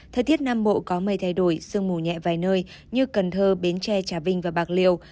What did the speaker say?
thời tiết nam bộ có mây thay đổi sương mù nhẹ vài nơi như cần thơ bến tre trà vinh và bạc liêu